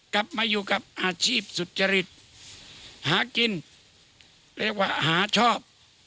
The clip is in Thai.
กลับมาอยู่กับอาชีพสุจริตหากินเรียกว่าหาชอบ